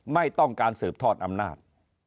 ไม่ต้องการสืบทอดอำนาจ